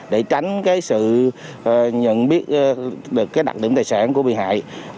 để tránh sự nhận biết đặc điểm tài sản của bị hại